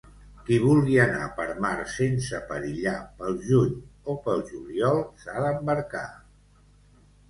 Qui vulgui anar per mar sense perillar pel juny o pel juliol s'ha d'embarcar.